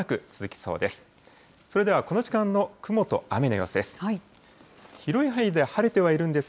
それではこの時間の雲と雨の様子です。